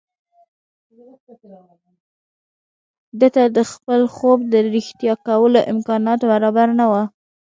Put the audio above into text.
ده ته د خپل خوب د رښتيا کولو امکانات برابر نه وو.